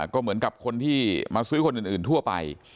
ก็เหมือนกับคนที่มาซื้อคนอื่นทั่วไป